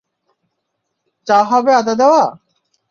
চা হবে আদা দেওয়া?